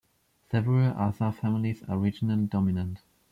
Several other families are regionally dominant.